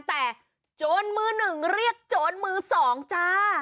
แต่โจรมือหนึ่งเรียกโจรมือสองจ้า